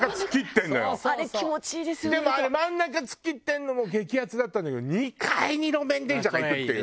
でも真ん中突っ切ってるのも激アツだったんだけど２階に路面電車がいくっていうね。